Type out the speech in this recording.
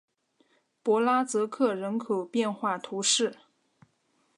博拉泽克人口变化图示